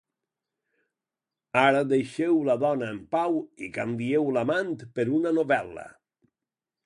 Ara deixeu la dona en pau i canvieu l'amant per una novel·la.